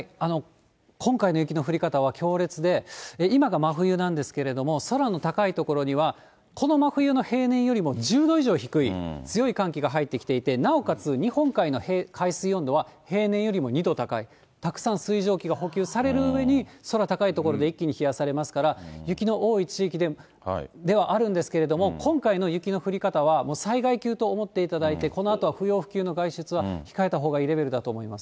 今回の雪の降り方は強烈で、今が真冬なんですけれども、空の高い所には、この真冬の平年よりも１０度以上低い強い寒気が入ってきていて、なおかつ日本海の海水温度は、平年よりも２度高い、たくさん水蒸気が補給されるうえに、空高い所で一気に冷やされますから、雪の多い地域ではあるんですが、今回の雪の降り方はもう災害級と思っていただいて、このあとは不要不急の外出は控えたほうがいいレベルだと思います。